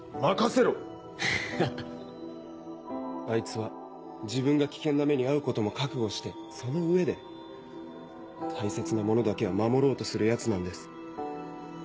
あいつは自分が危険な目に遭うことも覚悟してその上で大切なものだけは守ろうとするヤツなんです。